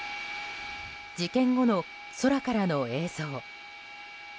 事件後の空からの映像。